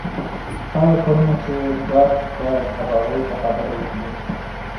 هغه کارونه چي ګارډ باید د هغوی څخه ډډه وکړي.